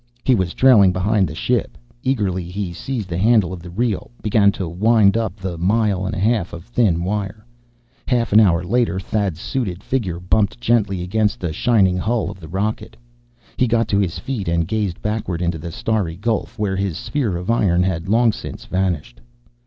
He was trailing behind the ship. Eagerly he seized the handle of the reel; began to wind up the mile of thin wire. Half an hour later, Thad's suited figure bumped gently against the shining hull of the rocket. He got to his feet, and gazed backward into the starry gulf, where his sphere of iron had long since vanished.